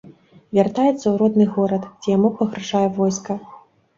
Вяртаецца ў родны горад, дзе яму пагражае войска.